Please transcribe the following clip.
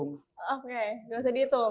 oke nggak usah dihitung